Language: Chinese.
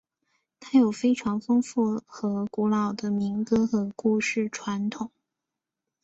它有非常丰富和古老的民歌和故事传统。